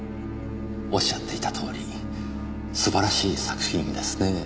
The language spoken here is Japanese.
おっしゃっていたとおりすばらしい作品ですね。